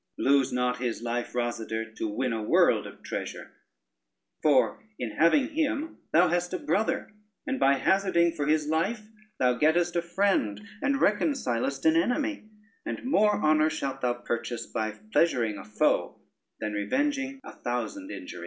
Lose not his life, Rosader, to win a world of treasure; for in having him thou hast a brother, and by hazarding for his life, thou gettest a friend, and reconcilest an enemy: and more honor shalt thou purchase by pleasuring a foe, than revenging a thousand injuries."